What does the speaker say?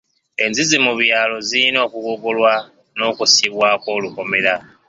Enzizi mu byalo zirina okugogolwa n'okussibwako olukomera.